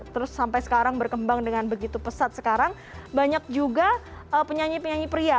terus sampai sekarang berkembang dengan begitu pesat sekarang banyak juga penyanyi penyanyi pria